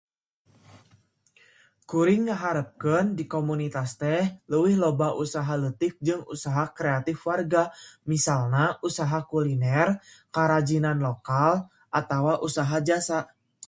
Kuring ngaharepkeun di komunitas teh leuwih loba usaha leutik jeung usaha kreatip warga, misalna usaha kuliner, karajinan lokal, atawa usaha jasa.